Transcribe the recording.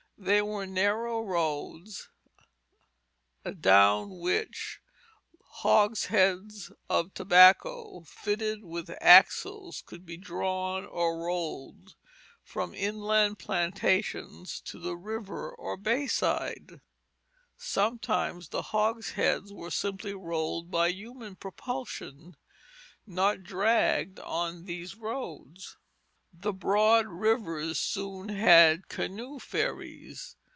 They were narrow roads adown which hogsheads of tobacco, fitted with axles, could be drawn or rolled from inland plantations to the river or bay side; sometimes the hogsheads were simply rolled by human propulsion, not dragged on these roads. The broader rivers soon had canoe ferries.